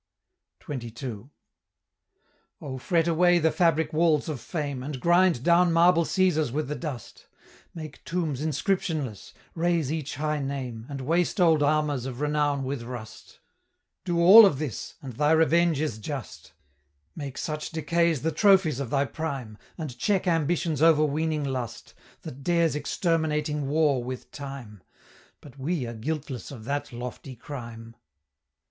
XXII. "O fret away the fabric walls of Fame, And grind down marble Cæsars with the dust: Make tombs inscriptionless raze each high name, And waste old armors of renown with rust: Do all of this, and thy revenge is just: Make such decays the trophies of thy prime, And check Ambition's overweening lust, That dares exterminating war with Time, But we are guiltless of that lofty crime."